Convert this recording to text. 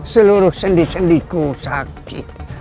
seluruh sendi sendiku sakit